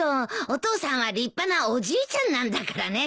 お父さんは立派なおじいちゃんなんだからね。